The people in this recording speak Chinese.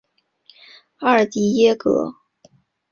阿尔迪耶格。